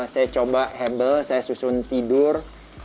saya coba hebel saya susun tidur